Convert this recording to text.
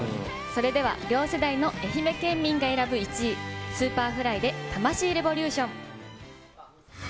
それでは両世代の愛媛県民が選ぶ１位、Ｓｕｐｅｒｆｌｙでタマシイレボリューション。